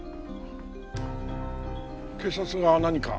警察が何か？